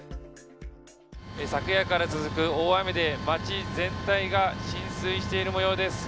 昨夜から続く大雨で街全体が浸水している模様です。